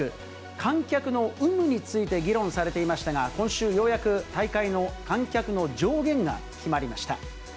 観客の有無について議論されていましたが、今週、ようやく大会の観客の上限が決まりました。